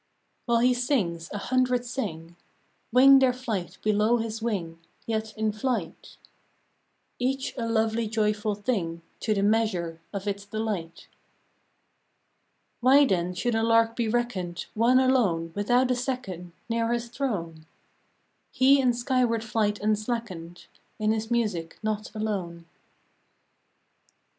" While he sings, a hundred sing ; Wing their flight below his wing Yet in flight; Each a lovely joyful thing To the measure of its delight. " Why then should a lark be reckoned One alone, without a second Near his throne ? He in skyward flight unslackened, In his music, not alone."